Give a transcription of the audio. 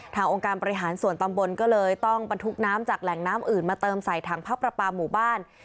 องค์การบริหารส่วนตำบลก็เลยต้องบรรทุกน้ำจากแหล่งน้ำอื่นมาเติมใส่ถังพระประปาหมู่บ้าน